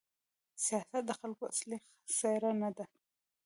سیاست د خلکو اصلي څېره نه ده.